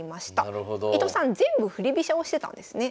伊藤さん全部振り飛車をしてたんですね。